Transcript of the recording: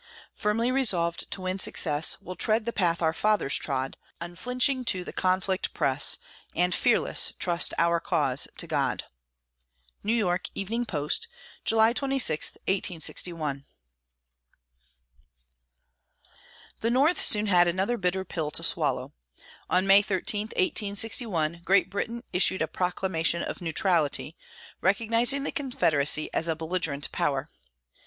Firmly resolved to win success, We'll tread the path our fathers trod, Unflinching to the conflict press, And, fearless, trust our cause to God! New York Evening Post, July 26, 1861. The North soon had another bitter pill to swallow. On May 13, 1861, Great Britain issued a proclamation of neutrality, recognizing the Confederacy as a belligerent power.